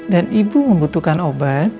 dan ibu membutuhkan obat